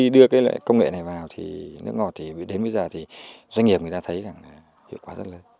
đưa công nghệ này vào thì nước ngọt đến bây giờ doanh nghiệp thấy hiệu quả rất lớn